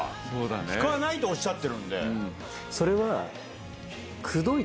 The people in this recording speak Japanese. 聞かないとおっしゃってるんで。